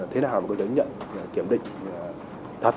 thế nào để có thể đánh nhận kiểm định thật